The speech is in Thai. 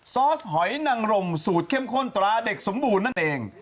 ซอสหอยนังรมสูตรเข้มข้นตราเด็กสมบูรณ์นั่นเอง